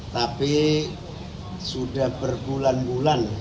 tapi sudah berbulan bulan